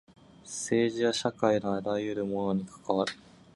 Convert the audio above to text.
政治は社会のあらゆるものに関わる。